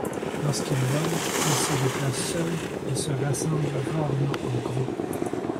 Lorsqu'il vole, il se déplace seul et se rassemble rarement en groupes.